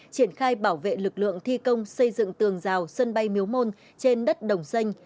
triển khai bảo vệ lực lượng thi công xây dựng tường rào sân bay miếu môn trên đất đồng xanh